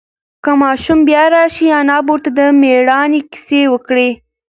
که ماشوم بیا راشي، انا به ورته د مېړانې قصې وکړي.